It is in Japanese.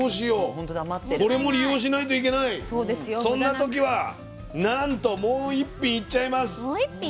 そんな時はなんともう一品いっちゃいます。